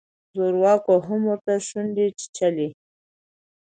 زورواکو هم ورته شونډې چیچلې.